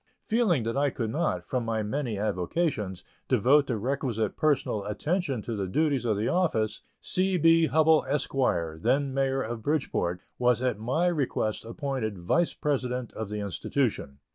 Feeling that I could not, from my many avocations, devote the requisite personal attention to the duties of the office, C. B. Hubbell, Esq., then Mayor of Bridgeport, was at my request appointed Vice President of the institution.